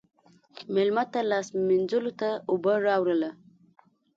مېلمه ته لاس مینځلو ته اوبه راوله.